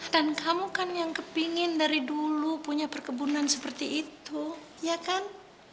dan kamu kan yang kepingin dari dulu punya perkebunan seperti itu ya kan